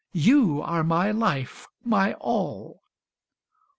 You are my life, my all.